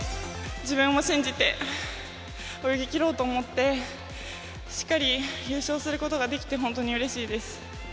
自分を信じて泳ぎきろうと思って、しっかり優勝することができて、本当にうれしいです。